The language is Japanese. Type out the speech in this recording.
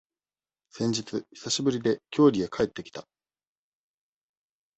先日、久しぶりで、郷里へ帰ってきた。